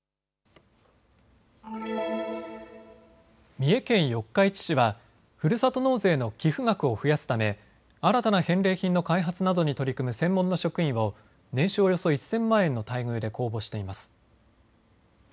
三重県四日市市はふるさと納税の寄付額を増やすため新たな返礼品の開発などに取り組む専門の職員を年収およそ１０００万円の待遇で公募しています。